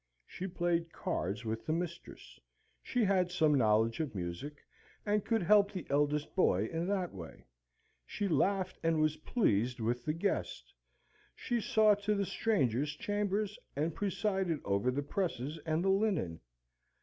She played cards with the mistress: she had some knowledge of music, and could help the eldest boy in that way: she laughed and was pleased with the guests: she saw to the strangers' chambers, and presided over the presses and the linen.